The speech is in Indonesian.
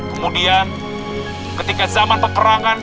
kemudian ketika zaman peperangan